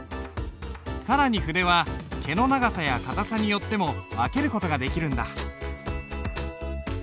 更に筆は毛の長さや硬さによっても分ける事ができるんだ。